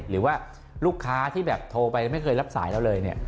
หรือว่าลูกค้าที่แบบโทรไปไม่เคยรับสายเราเลย